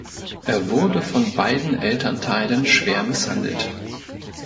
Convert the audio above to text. Er wurde von beiden Elternteilen schwer misshandelt.